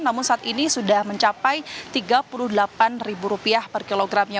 namun saat ini sudah mencapai rp tiga puluh delapan per kilogramnya